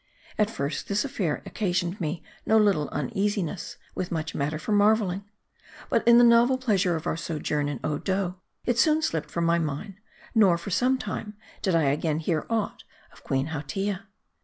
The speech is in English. At first this affair occasioned me no little uneasiness, with much matter for marveling ; but in the novel pleasure of our sojourn in Odo, it soon slipped from my mind ; nor for some time, did I again hear aught of Queen Hautia.